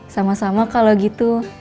sama sama kalau gitu